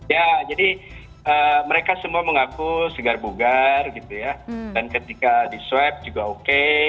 ya jadi mereka semua mengaku segar bugar gitu ya dan ketika di swab juga oke